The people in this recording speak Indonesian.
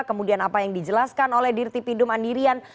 kemudian apa yang dijelaskan oleh dirti pidum andirian